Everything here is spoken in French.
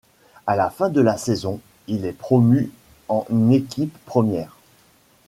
À la fin de la saison, il est promu en équipe première.